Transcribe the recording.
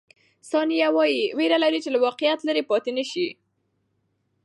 ثانیه وايي، وېره لري چې له واقعیت لیرې پاتې نه شي.